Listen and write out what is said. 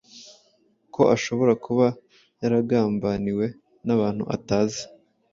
ko ashobora kuba yaragambaniwe n’abantu atazi